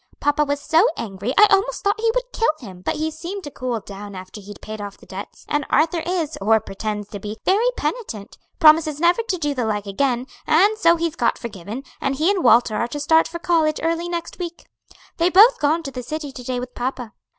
Papa was so angry, I almost thought he would kill him. But he seemed to cool down after he'd paid off the debts; and Arthur is, or pretends to be, very penitent, promises never to do the like again, and so he's got forgiven, and he and Walter are to start for college early next week. They've both gone to the city to day with papa.